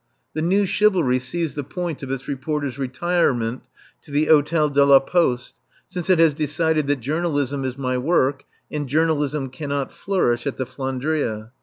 The New Chivalry sees the point of its reporter's retirement to the Hôtel de la Poste, since it has decided that journalism is my work, and journalism cannot flourish at the "Flandria."